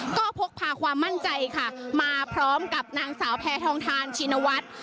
ก็พกพาความมั่นใจค่ะมาพร้อมกับนางสาวแพทองทานชินวัฒน์